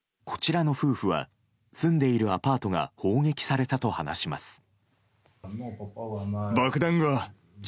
こちらの夫婦は住んでいるアパートが砲撃されたと話します。